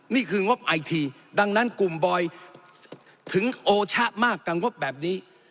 งบไอทีดังนั้นกลุ่มบอยถึงโอชะมากกับงบแบบนี้